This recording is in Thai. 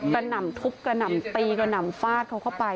หนำทุบกระหน่ำตีกระหน่ำฟาดเขาเข้าไป